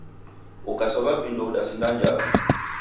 Ukasowa vindo udasinda njala